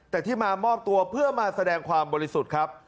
แต่ที่มามอบตัวเพื่อมาแสดงความบริสุทธิ์ครับ